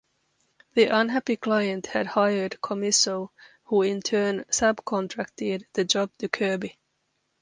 The unhappy client had hired Commisso who in turn subcontracted the job to Kirby.